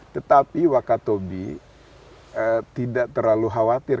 tetapi wakatobi tidak terlalu khawatir